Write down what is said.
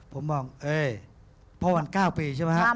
ผมมองเอ๊พ่อวัน๙ปีใช่ไหมครับ